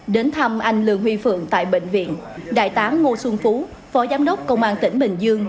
đến thăm anh lường huy phượng tại bệnh viện đại tá ngô xuân phú phó giám đốc công an tỉnh bình dương